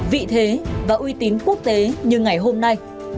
vị thế và uy tín quốc tế như ngày hôm nay